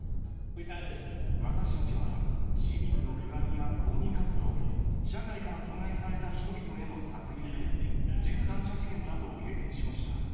私たちは、市民の不安や抗議活動、社会から疎外された人々への殺りく、銃乱射事件などを経験しました。